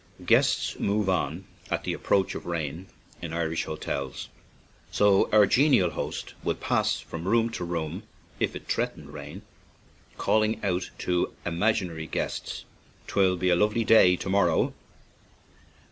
Guests "move on" at the approach of rain, in Irish hotels, so our genial host would pass from room to room if it threat ened rain, calling out to an imaginary guest, ' 'Twill be a lovely day to mor row."